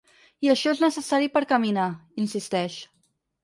I això és necessari per caminar, insisteix.